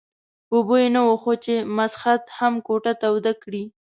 په بوی نه وو خو چې مسخد هم کوټه توده کړي.